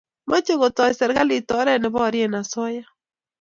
mache kotoi serikalit oret ne porie asoya